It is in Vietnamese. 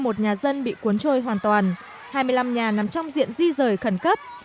một nhà dân bị cuốn trôi hoàn toàn hai mươi năm nhà nằm trong diện di rời khẩn cấp